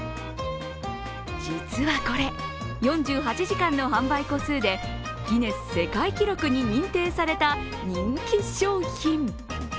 実はこれ、４８時間の販売個数でギネス世界記録に認定された人気商品。